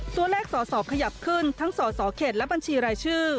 ตัวเลขสอสอขยับขึ้นทั้งสสเขตและบัญชีรายชื่อ